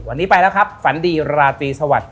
วันนี้ไปแล้วครับฝันดีราตรีสวัสดิ